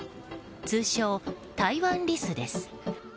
通称タイワンリスです。